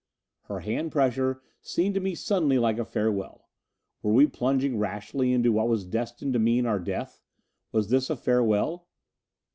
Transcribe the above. Her hand pressure seemed to me suddenly like a farewell. Were we plunging rashly into what was destined to mean our death? Was this a farewell?